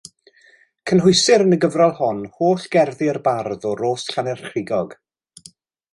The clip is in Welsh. Cynhwysir yn y gyfrol hon holl gerddi'r bardd o Rosllannerchrugog.